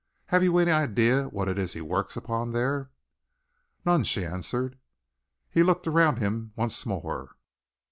Have you any idea what it is he works upon there?" "None," she answered. He looked around him once more.